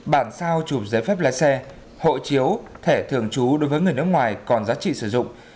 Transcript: bản sao chụp giấy phép lái xe hộ chiếu thẻ thường trú đối với người nước ngoài còn giá trị sử dụng